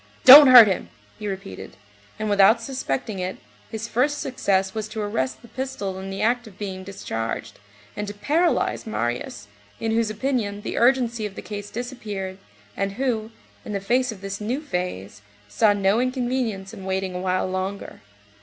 "Don't hurt him!" he repeated, and without suspecting it, his first success was to arrest the pistol in the act of being discharged, and to paralyze Marius, in whose opinion the urgency of the case disappeared, and who, in the face of this new phase, saw no inconvenience in waiting a while longer.